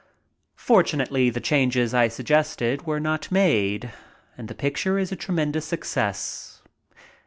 Fortunately, the changes I suggested were not made, and the picture is a tremendous success.